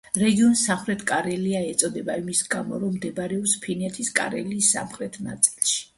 რეგიონს სამხრეთი კარელია ეწოდება იმის გამო, რომ მდებარეობს ფინეთის კარელიის სამხრეთ ნაწილში.